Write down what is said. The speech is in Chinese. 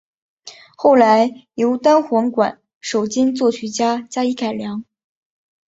后来由单簧管手兼作曲家加以改良。